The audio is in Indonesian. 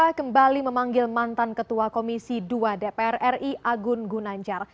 kpk kembali memanggil mantan ketua komisi dua dpr ri agun gunanjar